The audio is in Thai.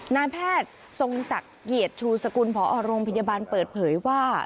นายแพทย์ทรงศักดิ์เกียรติชูสกุลผอโรงพยาบาลเปิดเผยว่า